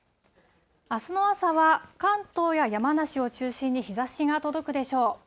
あすの朝は、関東や山梨を中心に日ざしが届くでしょう。